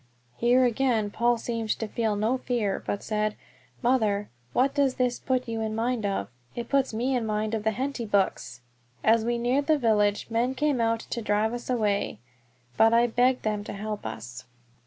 Here again Paul seemed to feel no fear, but said, "Mother, what does this put you in mind of? It puts me in mind of the Henty books!" As we neared the village men came out to drive us away, but I begged them to help us.